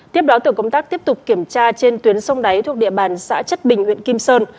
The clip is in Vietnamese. tiếp đó tổ công tác tiếp tục kiểm tra trên tuyến sông đáy thuộc địa bàn xã chất bình huyện kim sơn